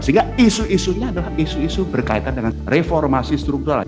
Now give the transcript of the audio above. sehingga isu isunya adalah isu isu berkaitan dengan reformasi struktural